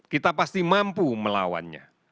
kita pasti mampu melawannya